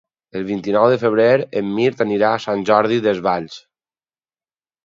El vint-i-nou de febrer en Mirt anirà a Sant Jordi Desvalls.